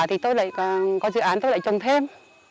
thì có dự án tôi lại trồng thêm